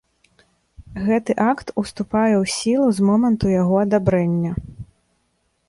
Гэты акт уступае ў сілу з моманту яго адабрэння.